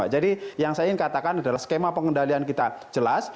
jadi yang saya ingin katakan adalah skema pengendalian kita jelas